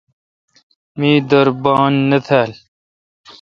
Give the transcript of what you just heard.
می در بان نہ تھال۔